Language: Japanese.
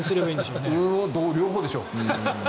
両方でしょう。